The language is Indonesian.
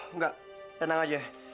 enggak tenang aja